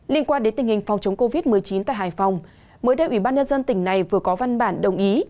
liên quan đến tình hình phòng chống covid một mươi chín tại hải phòng mới đây ủy ban nhân dân tỉnh này vừa có văn bản đồng ý